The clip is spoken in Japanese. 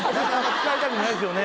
使いたくないですよね。